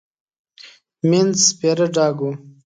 مينځ سپيره ډاګ و.